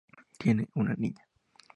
Tiene una niña.